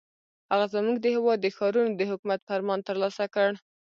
هغه زموږ د هېواد د ښارونو د حکومت فرمان ترلاسه کړ.